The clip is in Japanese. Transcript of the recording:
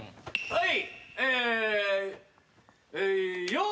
はい。